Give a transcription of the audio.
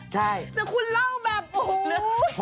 ใช่แต่คุณเล่าแบบโอ้โห